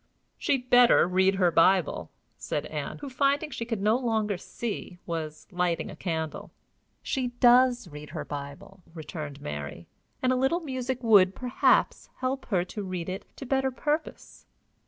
"She'd better read her Bible," said Ann, who, finding she could no longer see, was lighting a candle. "She does read her Bible," returned Mary; "and a little music would, perhaps, help her to read it to better purpose."